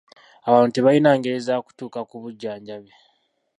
Abantu tebalina ngeri za kutuuka ku bujjanjabi.